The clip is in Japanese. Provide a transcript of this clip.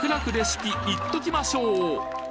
いっときましょう！